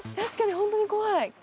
確かに、本当に怖い。